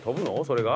それが？